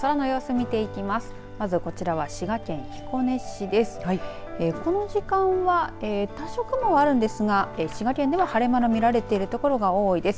この時間は多少、雲ありますが滋賀県では晴れ間の見られている所が多いです。